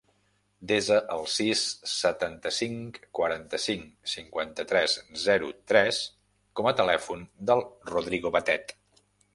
Desa el sis, setanta-cinc, quaranta-cinc, cinquanta-tres, zero, tres com a telèfon del Rodrigo Batet.